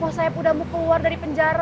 wah saya udah mau keluar dari penjara